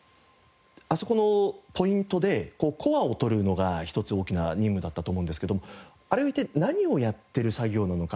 あそこのポイントでコアを取るのが一つ大きな任務だったと思うんですけどあれは一体何をやってる作業なのか。